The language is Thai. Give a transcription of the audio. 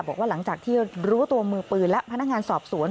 บอกว่าหลังจากที่รู้ตัวมือปืนและพนักงานสอบสวน